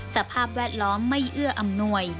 สภาพแวดล้อมไม่เอื้ออำนวย